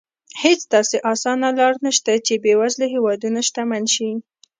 هېڅ داسې اسانه لار نه شته چې بېوزله هېوادونه شتمن شي.